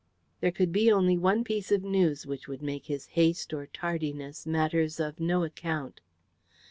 There could be only one piece of news which would make his haste or tardiness matters of no account.